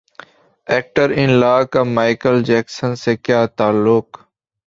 actor in law کا Michael Jackson سے کیا تعلق